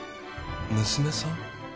娘さん？